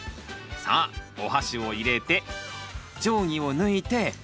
さあおはしを入れて定規を抜いて。